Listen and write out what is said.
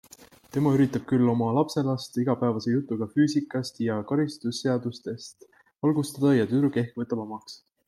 Tema üritab küll oma lapselast igapäevase jutuga füüsika- ja karistusseadustest valgustada ja tüdruk ehk võtab omaks.